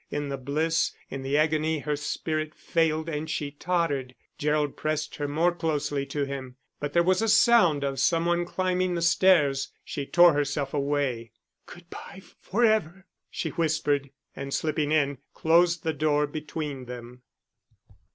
In the bliss, in the agony, her spirit failed and she tottered; Gerald pressed her more closely to him. But there was a sound of some one climbing the stairs. She tore herself away. "Good bye, for ever," she whispered, and slipping in, closed the door between them.